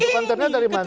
tujuh kontainer dari mana